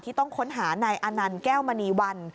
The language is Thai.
ต้องค้นหานายอานันต์แก้วมณีวัน